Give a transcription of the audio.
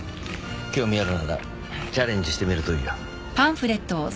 興味あるならチャレンジしてみるといいよ